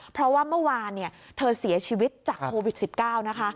เพราะว่าเมื่อวานเธอเสียชีวิตจากโควิด๑๙นะคะ